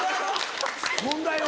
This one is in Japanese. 問題は。